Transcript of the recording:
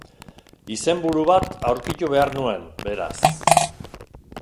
Izenburu berri bat aurkitu behar nuen, beraz.